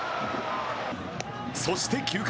そして９回。